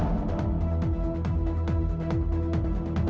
saya mengundurkan diri